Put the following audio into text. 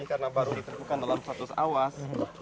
karena baru diterbukan dalam status awas